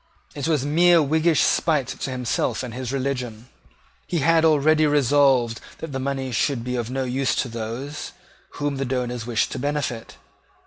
It was mere Whiggish spite to himself and his religion. He had already resolved that the money should be of no use to those whom the donors wished to benefit.